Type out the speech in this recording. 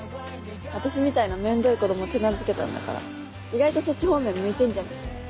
私みたいなめんどい子供手なずけたんだから意外とそっち方面向いてんじゃない？